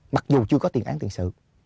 mặc dù chưa có tiền án tiền sự